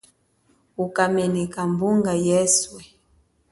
Uka meneka mbunga yeswe.